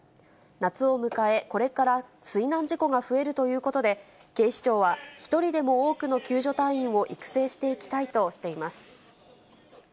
夏を迎え、これから水難事故が増えるということで、警視庁は、一人でも多くの救助隊員を育成していきたいとしています。